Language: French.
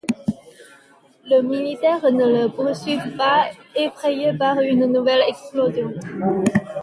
Les militaires ne le poursuivent pas, effrayés par une nouvelle explosion.